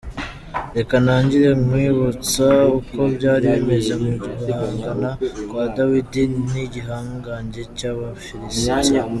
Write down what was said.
Reka ntangire nkwibutsa uko byari bimeze mu guhangana kwa Dawidi n’igihangange cy’Abafilistiya.